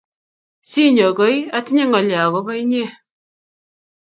sinyoo koii, atinye ngolyo agoba inye